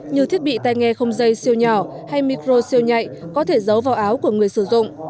như thiết bị tay nghe không dây siêu nhỏ hay micro siêu nhạy có thể giấu vào áo của người sử dụng